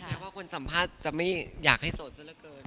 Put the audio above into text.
ว่าคนสัมภาษณ์จะไม่อยากให้โสดซะละเกิน